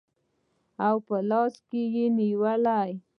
او په لاس کې نیولي